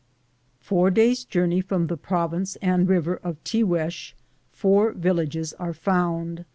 Four days' journey from the province and river of Tiguex four villages are found.